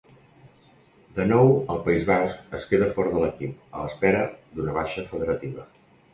De nou al País Basc, es queda fora de l'equip, a l'espera d'una baixa federativa.